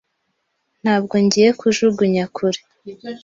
Ntabwo ngiye kujugunya kure.